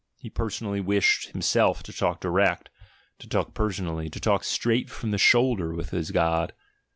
He personally wished himself to talk direct, to nally, to talk "straight from the shoulder" with his God.